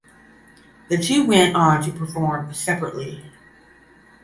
The two went on to perform separately.